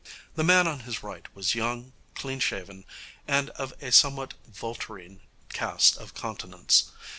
The man on his right was young, clean shaven, and of a somewhat vulturine cast of countenance.